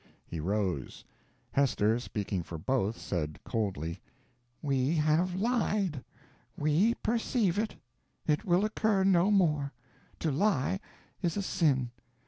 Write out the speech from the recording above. He rose. Hester, speaking for both, said; coldly: "We have lied; we perceive it; it will occur no more. To lie is a sin.